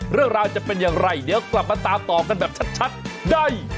เรื่องราวจะเป็นอย่างไรเดี๋ยวกลับมาตามต่อกันแบบชัดได้